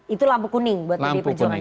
itu lampu kuning buat pdi perjuangan